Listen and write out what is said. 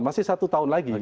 masih satu tahun lagi